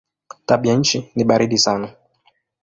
Tabianchi ni baridi sana.